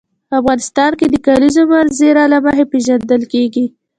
افغانستان د د کلیزو منظره له مخې پېژندل کېږي.